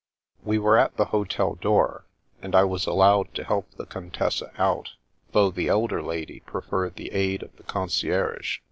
We were at the hotel door, and I was allowed to help the Contessa out, though the elder lady pre ferred the aid of the concierge.